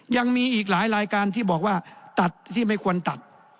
ยังมีอีกหลายรายการที่บอกว่าตัดที่ไม่ควรตัด